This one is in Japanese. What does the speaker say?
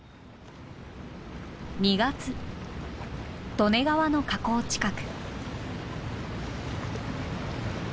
利根川の河口近く。